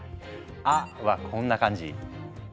「あ」はこんな感じ。